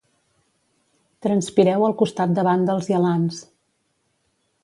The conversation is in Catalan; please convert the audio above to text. Transpireu al costat de vàndals i alans.